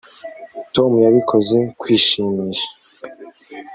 tom yabikoze kwishimisha